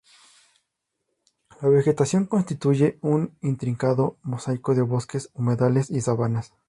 La vegetación constituye un intrincado mosaico de bosques, humedales y sabanas.